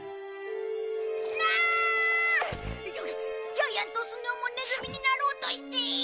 ジャイアンとスネ夫もネズミになろうとしている。